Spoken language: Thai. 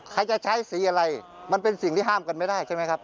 ใครจะใช้สีอะไรมันเป็นสิ่งที่ห้ามกันไม่ได้ใช่ไหมครับ